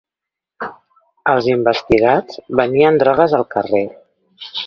Els investigats venien drogues al carrer.